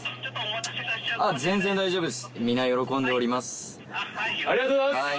全然大丈夫です。